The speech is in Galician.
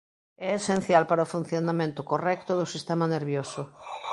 É esencial para o funcionamento correcto do sistema nervioso.